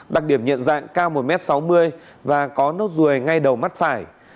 đặc điểm nhận dạng cao một m sáu mươi và có nốt ruồi ngay đầu mắt phải